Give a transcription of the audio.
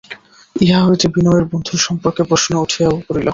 ইহা হইতে বিনয়ের বন্ধু সম্বন্ধে প্রশ্ন উঠিয়া পড়িল।